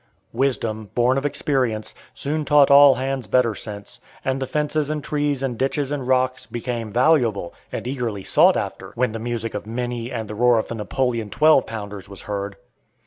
Wisdom, born of experience, soon taught all hands better sense, and the fences and trees and ditches and rocks became valuable, and eagerly sought after when "the music" of "minie" and the roar of the "Napoleon" twelve pounders was heard.